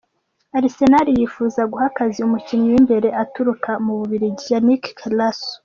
Arsenal yipfuza guha akazi umukinyi w'imbere aturuka mu Bubiligi, Yannick Carrasco.